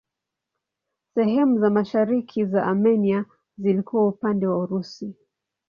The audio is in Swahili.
Sehemu za mashariki za Armenia zilikuwa upande wa Urusi.